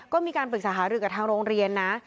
ก็มีการปรึกษาหารือกับทางโรงเรียนนะ